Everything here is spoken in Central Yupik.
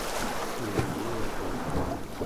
nuyiurun